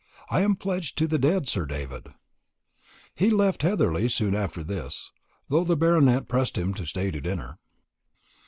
I am pledged to the dead, Sir David." He left Heatherly soon after this, though the Baronet pressed him to stay to dinner.